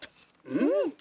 うん！